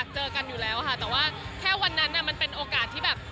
แต่ว่าแค่วันนั้นมันเป็นโอกาสที่แบบ